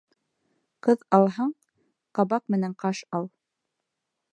Ҡыҙ алһаң, ҡабаҡ менән ҡаш ал.